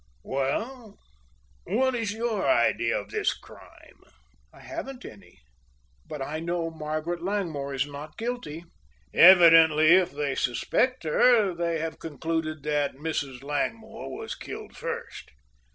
"Well, what is your idea of this crime?" "I haven't any. But I know Margaret Langmore is not guilty." "Evidently if they suspect her they have concluded that Mrs. Langmore was killed first."